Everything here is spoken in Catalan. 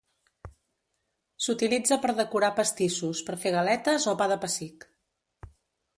S'utilitza per decorar pastissos, per fer galetes o Pa de pessic.